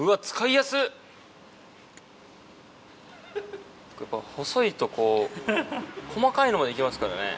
やっぱ細いとこう細かいのまで行けますからね。